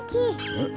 うん？